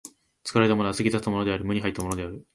作られたものは過ぎ去ったものであり、無に入ったものである。